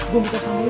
gue mau kasih tau lo